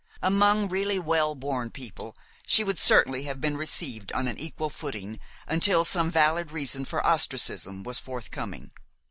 Among really well born people she would certainly have been received on an equal footing until some valid reason for ostracism was forthcoming.